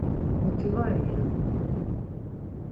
Muti var iyen.